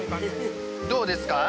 どうですか？